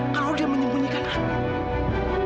kalau dia menyembunyikan aku